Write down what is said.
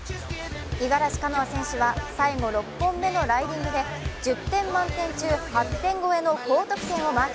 五十嵐カノア選手は最後６本目のライディングで１０点満点中８点超えの高得点をマーク。